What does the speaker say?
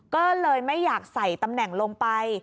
ก็เลยไม่อยากใส่ตำแหน่งลงไป